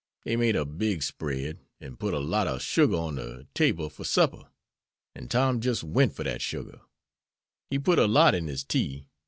Dey made a big spread, an' put a lot ob sugar on de table fer supper, an' Tom jis' went fer dat sugar. He put a lot in his tea.